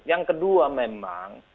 yang kedua memang